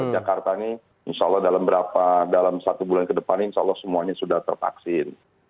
jakarta ini insya allah dalam berapa dalam satu bulan ke depan insya allah semuanya sudah tervaksin